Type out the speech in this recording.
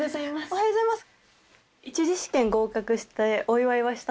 おはようございます。